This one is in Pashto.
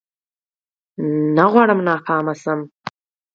نه غواړم ناکام شم